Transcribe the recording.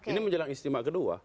ini menjelang istimewa kedua